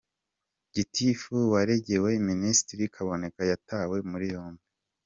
Huye: Gitifu waregewe Minisitiri Kaboneka yatawe muri yombi.